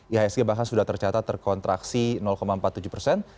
ihsg bahkan sudah tercatat terkontraksi empat puluh tujuh persen